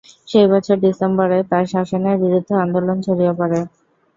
সেই বছর ডিসেম্বরে তাঁর শাসনের বিরুদ্ধে আন্দোলন ছড়িয়ে পড়ে।